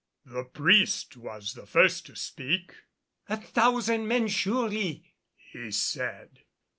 The priest was the first to speak. "A thousand men, surely!" he said.